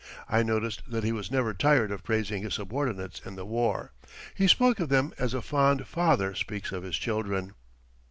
I noticed that he was never tired of praising his subordinates in the war. He spoke of them as a fond father speaks of his children.